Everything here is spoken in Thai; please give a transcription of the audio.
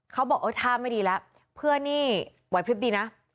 เขาบอกเออท่าไม่ดีแล้วเพื่อนนี่ไหวพลิบดีนะ